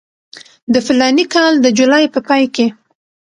د فلاني کال د جولای په پای کې.